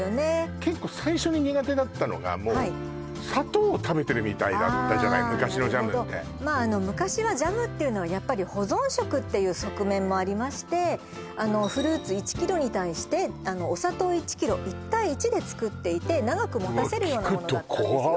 結構最初に苦手だったのがもう砂糖を食べてるみたいだったじゃない昔のジャムってまああの昔はもありましてあのフルーツ１キロに対してお砂糖１キロ１：１で作っていて長くもたせるものだったんですよ